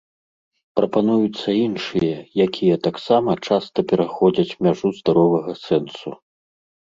Прапануюцца іншыя, якія таксама часта пераходзяць мяжу здаровага сэнсу.